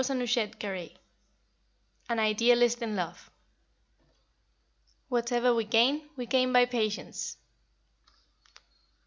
CHAPTER XXVII. AN IDEALIST IN LOVE. "Whatever we gain, we gain by patience."